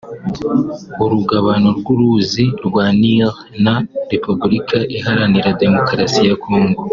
urugabano rw’uruzi rwa Nil na Repubulika Iharanira Demokarasi ya Congo